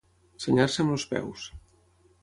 Senyar-se amb els peus.